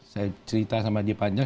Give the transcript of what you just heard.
saya cerita sama di panjang